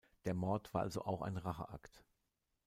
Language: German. Der Mord war also auch ein Racheakt.